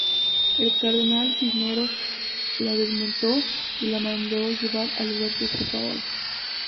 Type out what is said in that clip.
El cardenal Cisneros la desmontó y la mandó llevar al lugar que ocupa ahora.